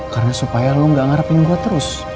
karena supaya lo gak ngarepin gue terus